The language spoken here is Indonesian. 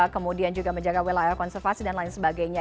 kemudian juga menjaga wilayah konservasi dan lain sebagainya